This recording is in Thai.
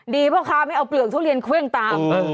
ดีเพราะคราวไม่เอาเปลือกทุเรียนเขวร์งตาม